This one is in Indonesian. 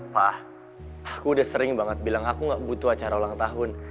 pak aku udah sering banget bilang aku gak butuh acara ulang tahun